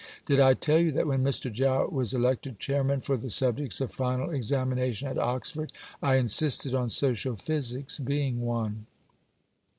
Did I tell you that when Mr. Jowett was elected chairman for the subjects of Final Examination at Oxford, I insisted on Social Physics being one?